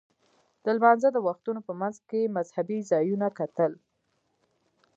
د لمانځه د وختونو په منځ کې مذهبي ځایونه کتل.